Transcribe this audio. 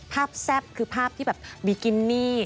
แซ่บคือภาพที่แบบบิกินี่